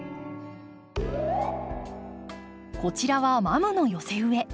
こちらはマムの寄せ植え。